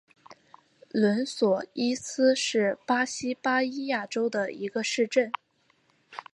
伦索伊斯是巴西巴伊亚州的一个市镇。